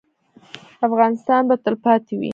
افغانستان به تلپاتې وي